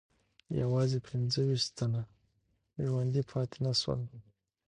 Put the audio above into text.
یوازې پنځه ویشت تنه ژوندي پاتې نه سول.